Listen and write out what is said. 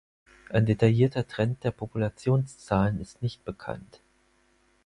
Ein detaillierter Trend der Populationszahlen ist nicht bekannt.